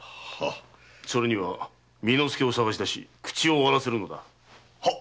それには巳之助を捜し出し口を割らせるのだ。